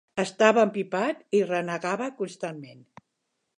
Estava empipat i renegava constantment.